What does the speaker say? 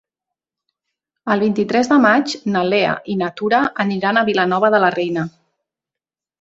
El vint-i-tres de maig na Lea i na Tura aniran a Vilanova de la Reina.